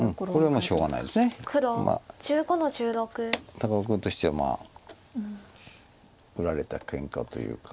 高尾君としては売られたけんかというか。